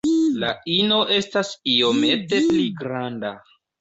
La ino estas iomete pli granda.